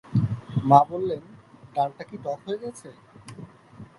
মা বললেন, ডালটা কি টক হয়ে গেছে?